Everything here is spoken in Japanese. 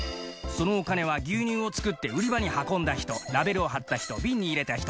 そのお金は牛乳を作って売り場に運んだ人ラベルを張った人瓶に入れた人